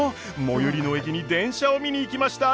最寄りの駅に電車を見に行きました！